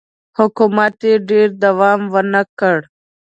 حکومت یې ډېر دوام ونه کړ